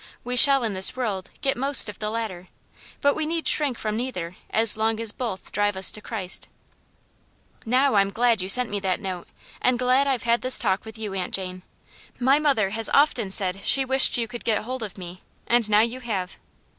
We shall, in this world, get most of the latter, but we need shrink from neither as long as both drive us to Christ." " Now, I'm glad you sent me that note, and glad IVe had this talk with you. Aunt Jane. My mother has often said she wished you could get Jiold of me, and now you have."